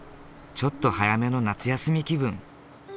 ちょっと早めの夏休み気分。